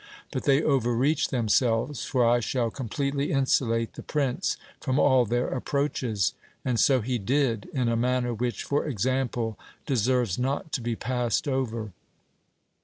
But they overreach themselves ; for I shall completely insulate the prince from all their approaches ; and so he did, in a manner which, for example, deserves not to be passed over.